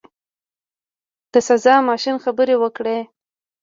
د سزا ماشین خبرې وکړې.